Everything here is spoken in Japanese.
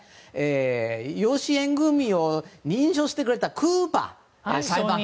養子縁組を承認してくれたクーパー裁判官。